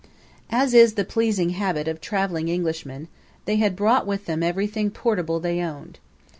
As is the pleasing habit of traveling Englishmen, they had brought with them everything portable they owned.